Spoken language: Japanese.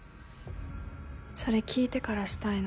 それ聞いてからしたいの？